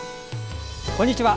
こんにちは。